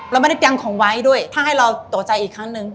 เรามาในเกิงของไว้ด้วยถ้าให้เราตัวใจอีกครั้งนึง